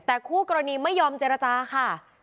แต่คู่กรณีไม่ยอมเจรจาค่ะ